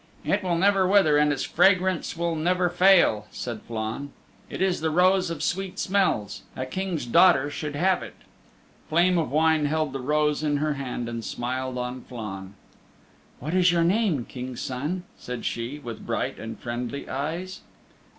"It will never wither, and its fragrance will never fail," said Flann. "It is the Rose of Sweet Smells. A King's daughter should have it." Flame of Wine held the rose in her hand, and smiled on Flann. "What is your name, King's Son?" said she, with bright and friendly eyes.